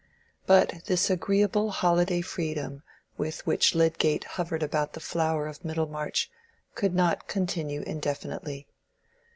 But this agreeable holiday freedom with which Lydgate hovered about the flower of Middlemarch, could not continue indefinitely.